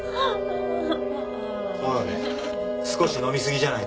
おい少し飲み過ぎじゃないか？